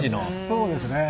そうですね。